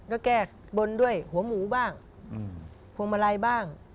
ก็แก้บนด้วยหัวหมูบ้างพวงมาลัยบ้าง